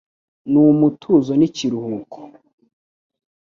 Nu mutuzo ni kiruhuko.